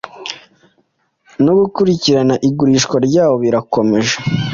no gukurikirana igurishwa ryabo birakomeje